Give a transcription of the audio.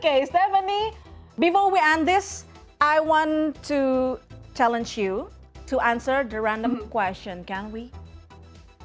oke stephanie sebelum kita berakhir saya ingin mencoba untuk menjawab pertanyaan yang sering kita jawab bisa